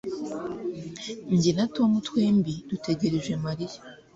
Jye na Tom twembi dutegereje Mariya